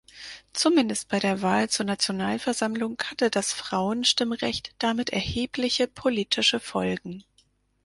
Zumindest bei der Wahl zur Nationalversammlung hatte das Frauenstimmrecht damit erhebliche politische Folgen.